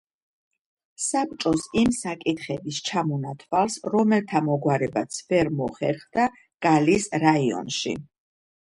საბჭოს იმ საკითხების ჩამონათვალს, რომელთა მოგვარებაც ვერ მოხერხდა გალის რაიონში.